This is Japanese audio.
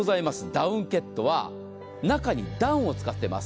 ダウンケットは中にダウンを使っています。